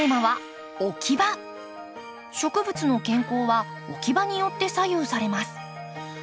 植物の健康は置き場によって左右されます。